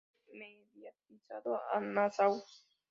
Fue mediatizado a Nassau.